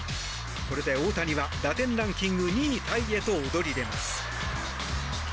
これで大谷は打点ランキング２位タイへと躍り出ます。